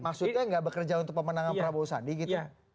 maksudnya nggak bekerja untuk pemenangan prabowo sandi gitu